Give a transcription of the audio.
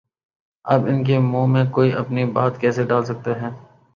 اب ان کے منہ میں کوئی اپنی بات کیسے ڈال سکتا ہے؟